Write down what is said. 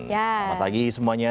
selamat pagi semuanya